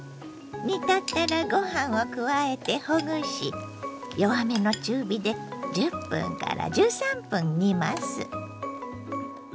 煮立ったらご飯を加えてほぐし弱めの中火で１０１３分煮ます。